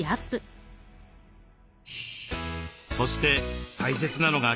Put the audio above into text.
そして大切なのが筋トレ。